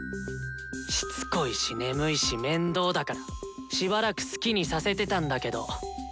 しつこいし眠いし面倒だからしばらく好きにさせてたんだけど。